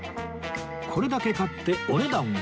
これだけ買ってお値段は